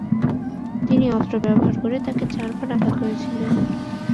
তিনি অস্ত্র ব্যবহার করে তাকে চারবার আঘাত করেছিলেন।